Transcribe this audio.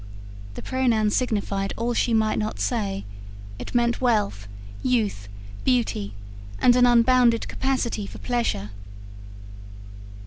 The pronoun signified all she might not say: it meant wealth, youth, beauty, and an unbounded capacity for pleasure.